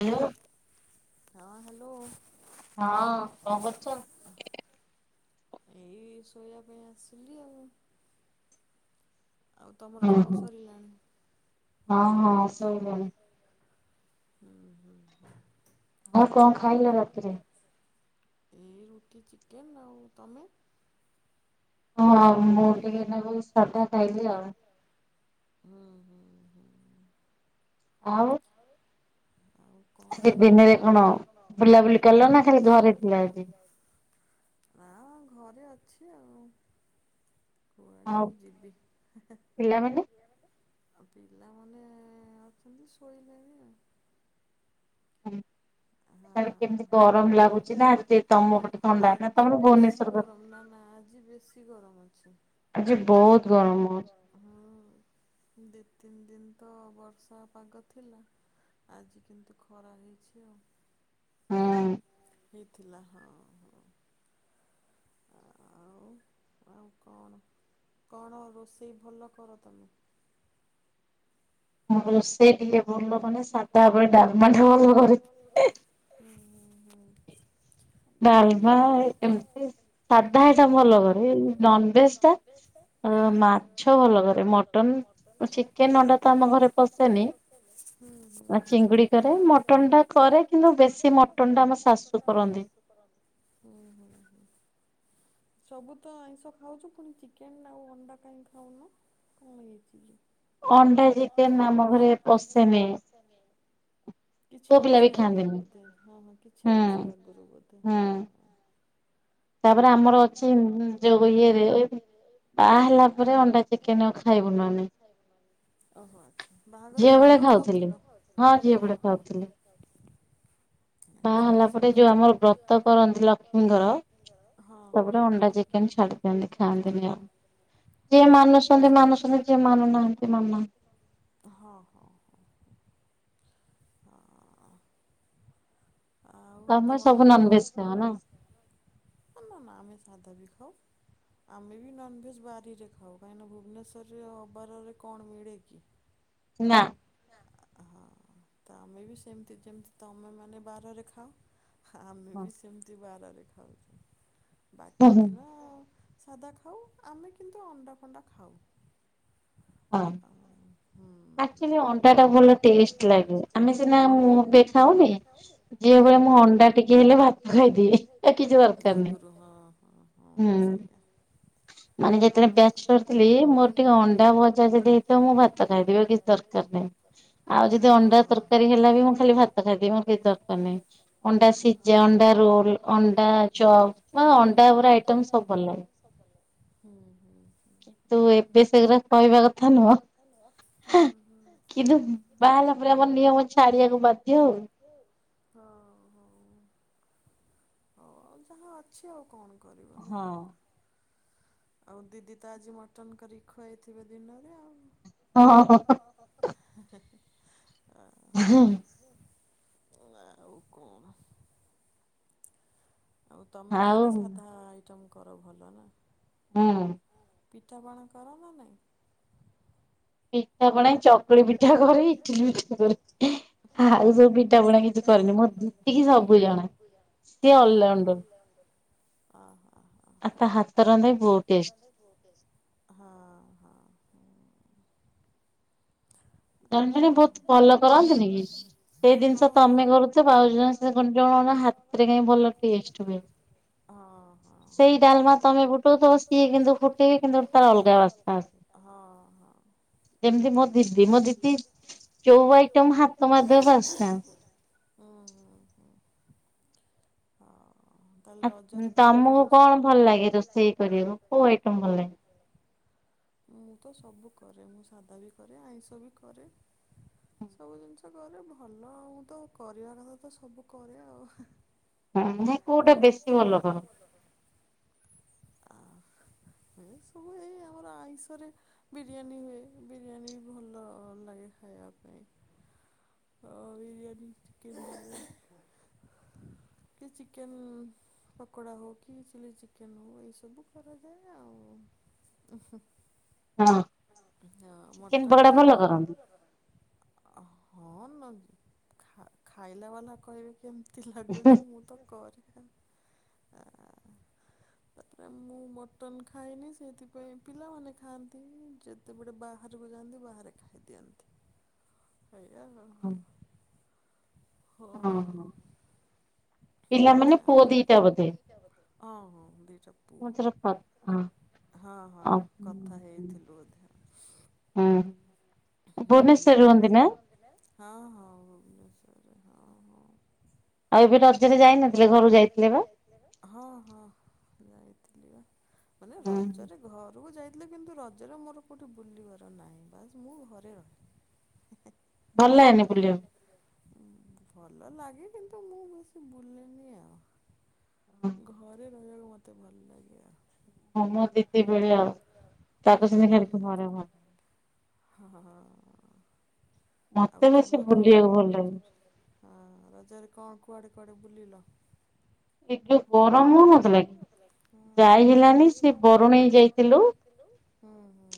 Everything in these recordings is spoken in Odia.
ହଁ! ହାଲୋ। ହଁ! କ--ଚ? ଏଇ ଶୋଇବା ପାଇଁ ଆସିଲି ଆଉ। ଆଉ ତମର କାମ ସରିଲାଣି? ହଁ ହଁ, ସଇଲାଣି। [inaudible] ଆଉ ଖାଇଲ ରାତିରେ? ଏଇ ରୁଟି ଚିକେନ୍ ଆଉ ତମେ ହଁ ଆଉ ମୁଁ ଟିକେ ନେବ ସଟା ଖାଇଲି ଆଉ ହଁ ହଁ ହଁ ଆଉ କ ମ କଣ ଫୁଲା ବୁଲି କରଲ ନା ସେଇ ଦବାର ନା ଘରେ ଅଛି ଆଉ କୁଆଡ଼େ ଆଉ ଯିବି ପିଲାମାନେ ଆଉ ପିଲାମାନେ ଅଛନ୍ତି ଶୋଇଲେଣି ଆଉ ହୁଁ ସେ କେମିତି ଗରମ ଲାଗୁଛି ନାି ତମ ଗଟେ ଥଣ୍ଡା ନା ତମର ଭୁବନେଶ୍ୱର କିଛି ଗରମ ନା ନା ଆଜି ବେଶୀ ଗରମ ଅଛି ଆଜି ବହୁତ ବହୁତ ଗ ହଁ ଦୁଇ ତିନି ଦିନ ତ ବର୍ଷା ପାଗ ଥିଲା ଆଜି କିନ୍ତୁ ଖରା ହେଇଛି ଆଉ ହଁ ହେଇଥିଲା ହଁ ହଁ ଆଉ ଆଉ କଣ କଣ ରୋଷେଇ ଭଲ କର ତମେ ମୁଁ ରୋଷେଇ ଟିକେ ଭଲ ବନେ ସାଧା ଉପରେ ଡାଲମା ଠୁ ହୁଁ ହୁଁ ହୁଁ ଡାଲମା ଏମତି ସାଧା ଆଇଟମଟା ଭଲ କରେ ନନଭେଜ ଟା ଆ ମାଛ ଭଲ କରେ ମଟନ, ଚିକେନ, ଅଣ୍ଡା ତ ଆମ ଘରେ ପଶେନି ହୁଁ ଚିଙ୍ଗୁଡି କରେ ମଟନ୍ ଟା କରେ କିନ୍ତୁ ବେଶୀ ମଟନ୍ ଟା ଆମ ଶାଶୁ ହୁଁ ହୁଁ ସବୁ ତ ଆଇଁଷ ଖାଉଚୁ ପୁଣି ଚିକେନ ଆଉ ଅଣ୍ଡା କାହିଁକି ଖାଉନ କଣ ହେଇଚି କି? ଅଣ୍ଡା, ଚିକେନ ଆମ ଘରେ ପଶେନି। [unintelligible] କିଛି ଅଛି ଆଗରୁ ବୋଧେ ହଁ ହଁ କିଛି ଅଛି ଆଗରୁ ବୋଧେ ହଁ ହଁ। ତାପରେ ଆମର ଅଛି ଯୋଉ ଇଏରେ ବା ହେଲା ପରେ ଅଣ୍ଡା ଚିକେନ ଆଉ ଖାଇବୁନି ଆମେ ଓହୋ ଆଚ୍ଛା ବାହାଘର ପୂର୍ବରୁ ଖାଉଥିଲ ହଁ ହଁ। [unintelligible] ବାହା ହେଲା ପରେ ଯୋଉ ଆମର ବ୍ରତ କରନ୍ତି ଲକ୍ଷ୍ମୀଙ୍କର ସବୁ ତ ଅଣ୍ଡା ଚିକେନ ଛାଡି ଦିଅନ୍ତି ଖାଆନ୍ତିନି ଆଉ। ଯିଏ ମାନୁଛନ୍ତି ମାନୁଛନ୍ତି ଯିଏ ମାନୁନାହାନ୍ତି ମାନୁନାହାନ୍ତି ହଁ ହଁଁ ହ ତମେ ସବୁ ନନଭେଜ ଖାଅ ନା ନା ନା ନା ଆମେ ସାଧା ବି ଖାଉ ଆମେ ବି ନନଭେଜ୍ ବାରିରେ ଖାଉ କାହିଁକିନା ଭୁବନେଶ୍ୱରରେ ଅବାରରେ କଣ ମିଳେ କି? ନା ହଁ ତ ଆମେ ବି ସେମିତି ଯେମିତି ତମେ ମାନେ ବାରରେ ଖାଅ ଆମେ ବି ସେମିତି ବାରରେ ଖାଉ ବାକି ଦିନ ସାଧା ଖାଉ ଆମେ କିନ୍ତୁ ଅଣ୍ଡା ଫଣ୍ଡା ଖାଉ। ଅଁ ଆକଚୁଏଲି ଅଣ୍ଡାଟା ଭଲ ଟେଷ୍ଟ ଲାଗେ ଆମେ ସିନା ମୁଁ ଏବେ ଖାଉନି ଝିଅବେଳେ ମୁଁ ଅଣ୍ଡା ଟିକେ ହେଲେ ଭାତ ଖାଇଦିଏ ଆଉ କିଛି ଦରକାର ନାଇଁ। ହଁ ହଁ ହଁ ସେଇଆ ମାନେ ଯେତେବେଳେ ବ୍ୟାଚଲର ଥିଲି ମୋର ଟିକେ ଅଣ୍ଡା ଭଜା ଯଦି ହେଇଥିବ ମୁଁ ଭାତ ଖାଇଦେବି କିଛି ଦରକାର ନାଇଁ। [unintelligible] ଆଉ ଯଦି ଅଣ୍ଡା ତରକାରୀ ହେଲା ବି ମୁଁ ଖାଲି ଭାତ ଖାଇଦେବି ମୋର କିଛି ଦରକାର ନାହିଁ ଅଣ୍ଡା ସିଝା, ଅଣ୍ଡା ରୋଲ ଅଣ୍ଡା ଚପ୍ ଅଣ୍ଡା ଆଇଟମ ସବୁ ଭଲ ଲାଗେ। ହୁଁ ହୁଁ ତୁ ଏତେ ଶୀଘ୍ର କହିବା କଥା ନୁହଁ ହେଁ କିନ୍ତୁ କିନ୍ତୁ ବାହା ହେଲାପରେ ଛାଡିବାକୁ ବାଧ୍ୟ ଆଉ ହଁ ହଁ ହଉ ଆଉ ଯାହା ଅଛି ଆଉ କଣ କରିବ ନା। ଆଉ ଦିଦି ତ ଆଜି ମଟନ କରି ଖୁଆଇଥିବେ ଦିନରେ ଆଉ। ଅଁ ହ ହ ହ ହ ହ ହେଁ ଅଁ [unintelligible] ନା ଆଉ କଣ? ଆଉ ତମେ ତାହେଲେ ସାଧା ଆଇଟମ୍ କର ଭଲ ନା। ହୁଁ ପିଠାପଣା କର ନା ନାଇଁ। ପିଠା ପଣା ଚକୁଳି ପିଠା କରେ ଇଟିଲି ପିଠା କରେ ଆଉ ସବୁ ପିଠା ପଣା କିଛି କରେନି ମ ଦିଦିକୁ ସବୁ ଜଣା ସିଏ ଅଲରାଉଣ୍ଡର। ଅ ହ ହ ଆଉ ତା ହାତ ରନ୍ଧା ବି ବହୁତ ଟେଷ୍ଟ। ହଁ ହଁ ଜଣ ଜଣ ବହୁତ ଭଲ କରନ୍ତିନି କି ସେଇ ଜିନିଷ ତମେ କରୁଥିବ ଆଉ ଜଣେ ଆସି କରିଦବ ହାତ ସେଥିରେ କାଇଁ ଭଲ ଟେଷ୍ଟ ହୁଏ ହଁ ହଁ ହଁ ସେଇ ଡାଲମା ତମେ ବୁଟଉଥିବ ସିଏ କିନ୍ତୁ ଫୁଟଇ କି ତାର ଅଲଗା ବାସ୍ନା ହଁ ହଁ ଯେମିତି ମୋ ଦିଦି ମୋ ଦିଦି ଚଉ ଆଇଟମ ହାତ ମାରଦେବେ ବାସ୍ନା ହଁଁ ହଁ [unintelligible] ହଁ ଆ ତମକୁ କଣ ଭଲ ଲାଗେ ରୋଷେଇ କରିବାକୁ କୋଉ ଆଇଟମ ଭଲ ଲାଗେ। ମୁଁ ତ ସବୁ କରେ ମୁଁ ସାଧା ବି କରେ ଆଇଁଷ ବି କରେ। ସବୁ ଜିନିଷ କରେ ଭଲ ଆଉଁ ତ କରିବା କଥା ତ ସବୁ କରେ ଆଉ ହା କଉଟା ବେଶି ଭଲ କର ଆ ମୁ ସବୁ ଏଇ ଆମର ଆଇ ବିଷରେ ବିରିୟାନୀ ହୁଏ ବିରିୟାନୀ ବି ଭଲ ଲାଗେ ଖାଇବା ପାଇଁ। ବିରିୟାନୀ ଚିକେନ୍ ବିରିୟାନୀ କି ଚିକେନ ପକୋଡା ହଉ କି ଚିଲି ଚିକେନ ହଉ ଏଇ ସବୁ କରାଯାଏ ଆଉ [unintelligible] ହଁ ହଁ ମଟନ୍ ଟା ମୁଁ ହଁ ମ ଖା ଖାଇଲା ବାଲା କହିବେ କେମିତି ଲାଗୁଛି ମୁଁ [inaudible] ତାପରେ ମୁଁ ମଟନ ଖାଇନି ସେଥିପାଇଁ ପିଲାମାନେ ଖାଆନ୍ତି। ଯେତେବେଳେ ବାହାରକୁ ଯାଆନ୍ତି ବାହାରେ ଖାଇଦିଅନ୍ତି। ଆଇଆ [unintelligible] ହଁ [inaudible] ପିଲ ମାନେ ପୁଅ ଦିଟା ବଧେ ହଁ ହଁ କଥା ହେଇଥିଲୁ ବଧେ ହିଁ [unintelligible] ପୁନେଶର ରୁହନ୍ତି ନା ହଁ ହଁ ଭୁବନେଶ୍ୱର ରେ ହଁ ହଁ ଆଉ ଏବେ ରଜରେ ଯାଇନଥିଲେ ଘରୁ ଯାଇଥିଲେ ବା ହଁ ହଁ ଯାଇଥିଲି ବା ମାନେ ରଜରେ ଘରକୁ ଯାଇ କିନ୍ତୁ ରଜରେ ମୋର କେଉଠି ବୁଲିବାର ନାହିଁ ବାସ୍ ମୁଁ ଘରେ ରହେ [unintelligible] ଭଲ ଲାଗେନା ବୁଲିବାକୁ। ଉଁ ଭଲ ଲାଗେ କିନ୍ତୁ ମୁଁ ବେଶୀ ବୁଲିନି ଆଉ ଘରେ ରହିବାକୁ ମତେ ଭଲ ଲାଗେ ଆ ହୁଁ ହୁଁ। ଘରେ ଭ ହଁ ହଁ। ଆଉ ତମେ କଣ କଲ ରଜରେ? ହଁ ରଜରେ କଣ କୁଆଡେ କୁଆଡେ ବୁଲିଲ? ଏ ଗରମ ହଉନଥିଲା କି? ହୁଁ ହୁଁ। ଯାଇ ହେଲାନି ସେ ବରୁଣେଇ ଯାଇଥିଲୁ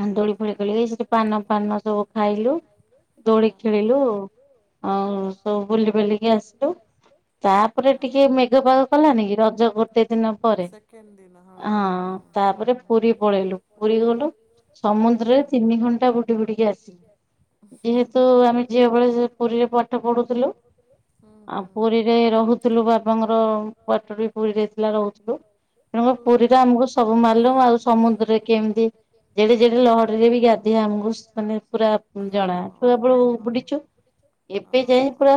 କା ନ୍ଦୋଳି ପଳି ଖେଳି ସେଠି ପାନ ପାନ ସବୁ ଖାଇଲୁ, ଦୋଲି ଖେଳିଲୁ ଆଉ ସବୁ ବୁଲି ବାଲିକି ଆସିଲୁ, ତାପରେ ଟିକେ ମେଘ ପା ମେଘ ପାଗ କଲାନି କି? ସେକେଣ୍ଡ ଦିନ, ହଁ ହଁ ହଁ ହୁଁ ହୁଁ। ତପରେ ପୁରି ପୁରୀ ଗଲୁ ସମୁଦ୍ରରେ ତିନି ଘଣ୍ଟା ବୁଡି ବୁଡିକି ଆସି ଯେହେତୁ ଆମେ ଝିଅ ବଳେ ସେ ପୁରୀରେ ପାଠ ପଢୁଥିଲୁ। ଆଉ ପୁରୀରେ ରହୁ ଥିଲୁ ବାବାଙ୍କର କ୍ୱାଟର ରେ ବି ପୁରୀ ଯାଇଥିଲା ରହୁଥିଲୁ ତେଣୁ ପୁରୀଟା ଆମକୁ ସବୁ ମାରୁ ଆଉ ସମୁଦ୍ରରେ କେମିତି ଯେଡେ ଯେଡେ ଲହରି ରେ ବି ଗାଧ ଆମେ ହଁ, ହଁ, ହଁ, ହଁ, ହଁ-ହଁ।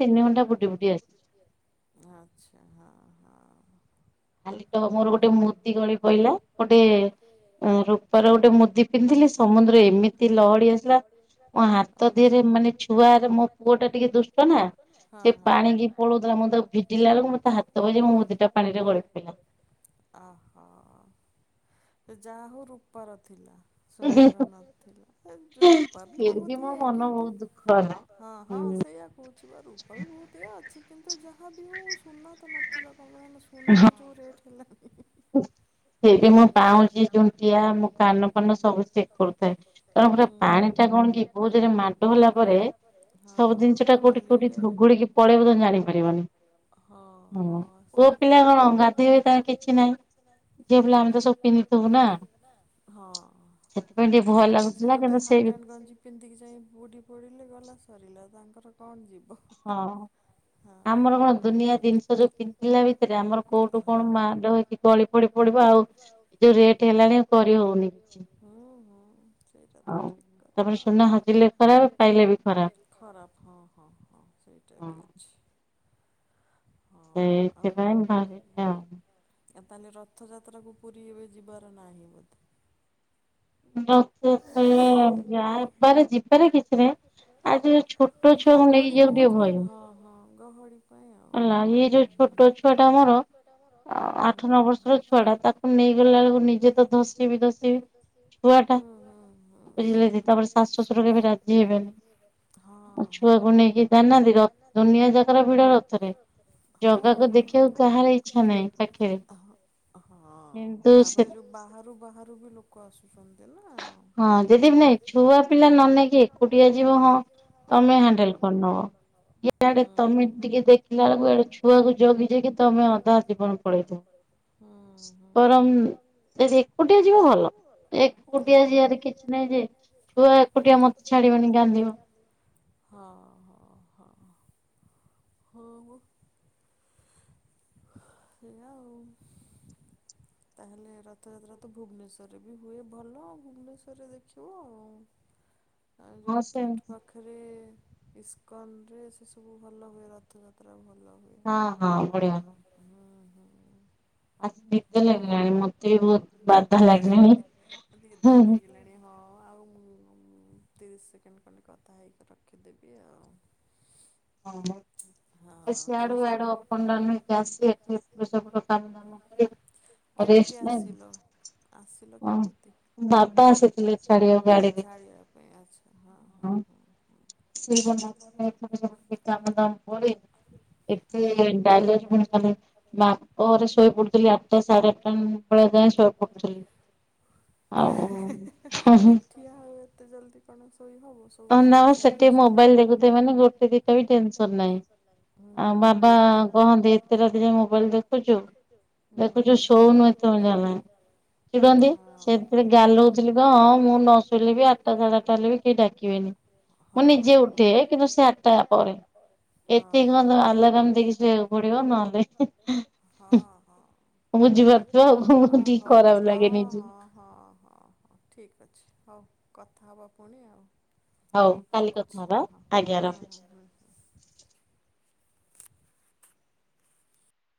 ସମାନ ତିନି ଘଣ୍ଟା ବୁଡି ବୁଡି ଆସିଲୁ। ଆଛା ହ ହ ହଁ। ଖାଲି ତ ମୋର ଗୋଟେ ମୁଦି ଗଳି ପହିଲା, ଗୋଟେ ଉ ରୂପାର ଗୋଟେ ମୁଦି ପିନ୍ଧିଲି ସମୁଦ୍ର ଏମିତି ଲହଡି ଆସିଲା ମୋ ହାତ ଦେହରେ ମାନେ ଛୁଆରେ ମୋ ପୁଅ ଟା ଟିକେ ଦୁ ନା ସେ ପାଣିିକି ପଳଉଥିଲା ମୁଁ ତ ଭିଟିଲା ବେଳକୁ ମ ତା ହାତ ଭ ମୁଁ ଦିଟା ପାଣିରେ ଗଳି ଅହୋ ସେ ଯା ହଉ ରୂପାର ଥିଲା। ସୁନାର ନ ଥିଲା ରୂପା ବି ବହୁତ ଇଏ କିନ୍ତୁ ହଁ ହଁ ସେଇଆ କହୁଛି। ଆ ରୂପା ବି ବହୁତ ଇଏ ଅଛି। କିନ୍ତୁ ଯାହା ବିି ହଉ ସୁନା ତ ନଥିଲା। ଭଗବାନ୍ ସୁନାର ଯୋଉ ରେଟ୍ ହେଲାଣି। ସେ ବି ମୁଁ ପାଉଞ୍ଜି ଝୁଣ୍ଟିଆ ମୁଁ କାନ ପାନ ସବୁ ଚେକ୍ କରୁଚି ଥାଏ କାରଣ ପୁରା ପାଣି ଟା କଣ କି, ବହୁତଯୋରେ ମାଡ ହେଲା ପରେ ସବୁ ଜିନିଷ ଟା କୋଉଠି କୋଉଠି ହୂଗୁଳିକି ପଳେଇବ ତମେ ଜାଣି ପାରିବନି। ହଁ ହଁ ସେଇଆ। ପୁଅ ପିଲା କଣ ଗାଧୋଇବେ ତାଙ୍କର କଣ ଅଛି। ହଁ। ତାଙ୍କର ସେ ଗୋଟେ ହାଫ ପ୍ୟାଣ୍ଟ ଗଞ୍ଜି ପିନ୍ଧିକି ଯାଇ ବୁଡ଼ି ପଡ଼ିଲେ ଗଲା ସରିଲା ତାଙ୍କର କଣ ଯିବ। ହଁ। ଆମର କଣ ଦୁନିଆ ଜିନିଷ ଯୋଉ ପିନ୍ଧିଲା ଭିତରେ, ଆମର କୋଉଠୁ କଣ ମାଡ ହେକି ଗଳି ପଡି ପଡିବ ଆଉ ଯୋଉ ରେଟ୍ ହେଲାଣି କରି ହଉନି କିଛି। ହୁଁ ହୁଁ। ସେଇଟା ତ ଠିକ୍ କଥା ଆଉ। ଏପଟେ ସୁନା ହଜିଲେ ଖରାପ ପାଇଲେ ଖରାପ। ହଁ ହଁ ହଁ। ସେଇଟା ବି ଅଛି। ସେଇଥି ପାଇଁ ବାହରେ ଆ ତାହେଲେ ରଥଯାତ୍ରାକୁ ପୁରୀ ଏବେ ଯିବାର ନାହିଁ ବୋଧେ? [unintelligible] ଯିବାରେ କିଛି ନାହିଁ। ଗହଳି ବହୁତ ହୁଏ। ହଁ ହଁ ଗ ଗହଳି ପାଇଁ ଆଉ। ହୁଁ ହୁଁ। ଆଠ ନଅ ବର୍ଷର ଛୁଆ ଟା ତାକୁ ନେଇଗଲା ବେଳକୁ ନିଜେ ତ ଧସିବି ଧସିବି ଛୁଆଟା। ହଁ ହଁ ହଁ ହଁ। ହଁ ହଁ। [unintelligible] ହଁ ତାପରେ ଯୋଉ ବାହାରୁ ବାହାରୁ ବି ଲୋକ ଆସୁଛନ୍ତି ନା। ହଁ ଯଦି ନାଇଁ ଛୁଆ ପିଲା ନ ନେଇକି ଏକୁଟିଆ ଯିବ, ହଁ ତମେ ହ୍ୟାଣ୍ଡେଲ କରିନବ। ଇଆଡେ ତମେ ଟିକେ ଦେଖିଲା ବେଳକୁ ଇଆଡେ ଛୁଆକୁ ଜଗି ଜଗି ତମେ ଅଧା ଜୀବନ ପଳେଇ ଥିବ। ବରଂ ରେକୁଟିଆ ଯିବ ଭଲ। ଏ କୁଟିଆ ଯିବାରେ କିଛି ନାହିଁ। ଯେ ଛୁଆ ଏକୁଟିଆ ମତେ ଛାଡ଼ିବନି କାନ୍ଦିବ। ହଁ ହଁ ହଁ ହଉ। ସେଇଆ ଆଉ ତାହେଲେ ରଥଯାତ୍ରା ତ ଭୁବନେଶ୍ଵରରେ ବି ହୁଏ ଭଲ ଭୁବନେଶ୍ୱରରେ ଦେଖିବ। ଆଉ ଯେଉଁ କିଟ୍ ପାଖ ଖରେ ଇସ୍କନ ରେ ସେସବୁ ଭଲ ହୁଏ ରଥଯାତ୍ରା ଭଲ ହୁଏ। ହଁ ହଁ ବଢ଼ିଆ ହେଲା ହୁଁ ହୁଁ ଆ ନିଦ ଲାଗିଲାଣି। ମତେ ବି ବହୁତ୍ ବାଧା ଲାଗିଲାଣି ହଁ ଲାଣି ହଁ ଆଉ ମୁଁ ମୁଁ ତିରିଶ ସେକେଣ୍ଡ୍ ଖଣ୍ଡେ କଥା ହେଇକି ରଖିଦେବି ଆଉ। ହଁ ବା ସିଆଡୁ ଇଆଡ଼ୁ ଅ ଖଣ୍ଡା ନେଇକି ଆସି ଏଠି ପଇସା ପତର ସବୁ ନେଲା ପରେ କେମ୍ତି ଆସିଲ। ଓ ବାବା ଆସିଥିଲେ ଛାଡ଼ିବାକୁ ଗାଡ଼ିରେ। [unintelligible] ହଁ ସେଇ ଗଣ୍ଡା ପରେ ଏପଟ ସେପଟ କିଛି କାମଦାମ ପରେ ଏତେ [unintelligible] ମାପ ଘରେ ଶୋଇ ପଡୁଥିଲି ଆଠଟା ସାଢେ ଆଠଟା କ ମୁ ପଳେଇ ଯାଇଁ ଶୋଇ ପଡ଼ୁଥିଲି ଆଉ ଫୁଣି ଠିଆ ହଉ ଏତେ ଜଲ୍ଦି କଣ ଶୋଇ ହବ ଶୋ କାମ ସାରିକି ସୁଇବୁ [unintelligible] [unintelligible] ହୁଁ ହୁଁ କହନ୍ତି ଏତେଟା ଦିନ ମୋବାଇଲ ଦେଖୁଛୁ ଦେଖୁଛୁ ଶୋ ଶୋଉନୁ ଏପର୍ୟ୍ଯନ୍ତ। ଚିଡ଼ନ୍ତି ସେଥିରେ ଗାଲଉଥିଲି କଁ ମୁଁ ହଁ ଶୋଇଲେ ବି ଆଠଟା ସାଢ଼େ ଆଠଟା ସାଢ଼େ ଆଠଟା ହେଲେ ବି କେହି ଡାକି ଡାକିବେନି ହଁ ହଁ ମୁ ନିଜେ ଉଠେ କିନ୍ତୁ ସେ ଆଠଟା ହଁ [unintelligible] ହଁ ହଁ। ହଁ ହଉ ହଁ ହଁ ହଁ ହଁ ହଁ ଠିକ୍ ଅଛି ହଉ କଥା ହେବା ପୁଣି ଆଉ ରଖୁଛି ହଁ ହଁ ହଁ ହଁ ହଁ ହଁ